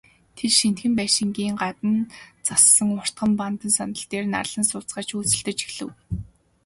Тэд, шинэхэн байшингийн гадна зассан уртхан бандан сандал дээр нарлан сууцгаагаад хөөрөлдөж эхлэв.